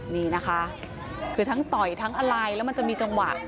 นี่นะคะคือทั้งต่อยทั้งอะไรแล้วมันจะมีจังหวะ